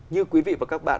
như quý vị và các bạn